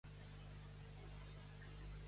Biant va superar el repte?